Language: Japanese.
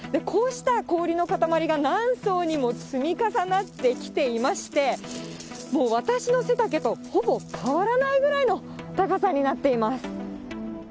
こうした氷の塊が何層にも積み重なってきていまして、もう私の背丈とほぼ変わらないぐらいの高さになっています。